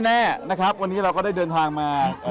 แน่นะครับวันนี้เราก็ได้เดินทางมา